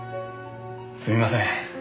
すいません。